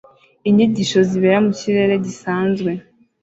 Inyigisho zibera mu kirere gisanzwe